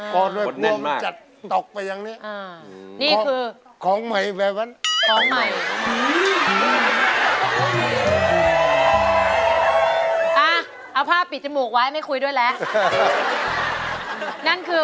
อ๋อพอมันจัดตกไปอย่างนี้นี่คือ